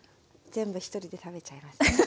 全部１人で食べちゃいますね。